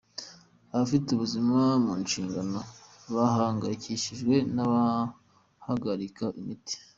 Abafite ubuzima mu nshingano bahangayikishijwe n’abahagarika imiti.